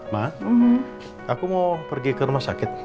ma aku mau pergi ke rumah sakit